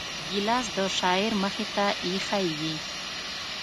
ګیلاس د شاعر مخې ته ایښی وي.